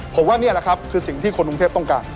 ผมว่านี่แหละครับคือสิ่งที่คนกรุงเทพต้องการ